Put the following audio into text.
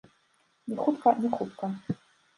Не хутка, не хутка.